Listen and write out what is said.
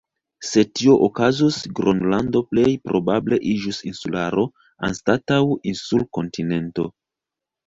Se tio okazus Gronlando plej probable iĝus insularo, anstataŭ insul-kontinento.